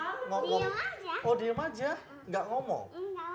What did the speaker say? oh diam aja gak ngomong